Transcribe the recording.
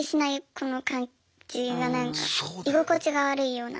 この感じがなんか居心地が悪いような。